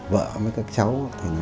vợ với các cháu